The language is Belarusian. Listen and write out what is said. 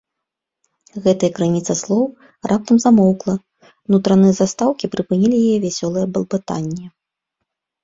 Гэтая крыніца слоў раптам замоўкла, нутраныя застаўкі прыпынілі яе вясёлае балбатанне.